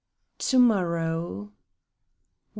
TO MORROW I.